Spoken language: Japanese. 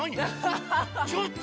ちょっと！